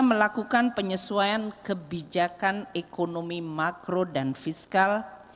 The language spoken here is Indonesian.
melakukan penyesuaian kebijakan ekonomi makro dan fiskal hingga dampak guncangan